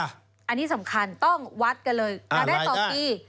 อันนี้สำคัญต้องวัดกันเลยหาได้ต่อปี